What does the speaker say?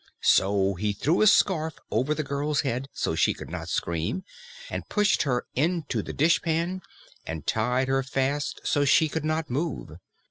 So he threw a scarf over the girl's head so she could not scream, and pushed her into the dishpan and tied her fast so she could not move.